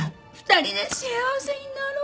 ２人で幸せになろう！